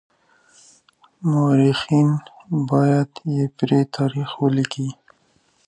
مورخين بايد بې پرې تاريخ وليکي.